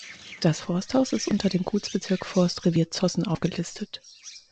Das Forsthaus ist unter dem Gutsbezirk Forstrevier Zossen aufgelistet.